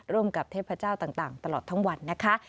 ร่วมกับเทพเจ้าต่างตลอดทั้งวันนะคะ